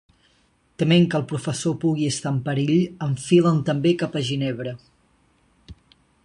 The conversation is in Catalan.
Tement que el professor pugui estar en perill, enfilen també cap a Ginebra.